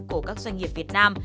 của các doanh nghiệp việt nam